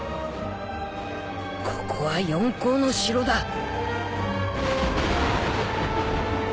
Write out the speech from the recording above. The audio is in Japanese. ここは四皇の城だ！